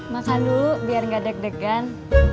makan dulu biar gak deg degan